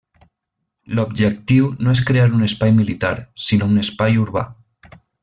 L'objectiu no és crear un espai militar, sinó un espai urbà.